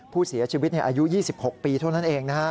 ผู้เสียชีวิตอายุ๒๖ปีเท่านั้นเองนะฮะ